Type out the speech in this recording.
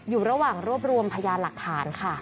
อยู่ระหว่างรวบรวมพยานหลักฐานค่ะ